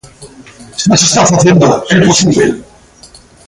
Xa se está facendo, é posíbel.